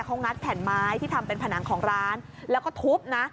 เขางัดแผ่นไม้ที่ทำเป็นผนังของร้านแล้วก็ทุบนะ